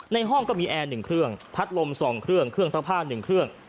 ในห้องก็มีแอร์๑เครื่องพัดลม๒เครื่องเครื่องซักผ้า๑เครื่อง